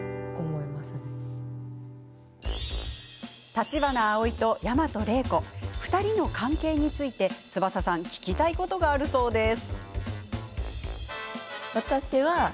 橘アオイと大和礼子２人の関係について、翼さん聞きたいことがあるそうです。